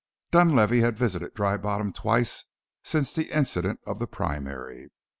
Dunlavey had visited Dry Bottom twice since the incident of the primary.